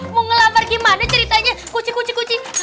mau ngelamar gimana ceritanya kucing kucing kucing